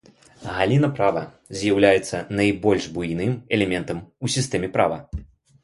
Галіна права з'яўляецца найбольш буйным элементам у сістэме права.